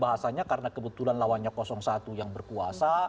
bahasanya karena kebetulan lawannya satu yang berkuasa